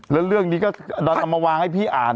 แล้วเรื่องนี้ก็ดันเอามาวางให้พี่อ่าน